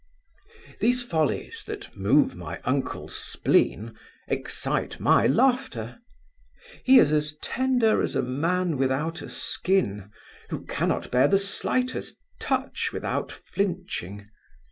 Those follies, that move my uncle's spleen, excite my laughter. He is as tender as a man without a skin; who cannot bear the slightest touch without flinching.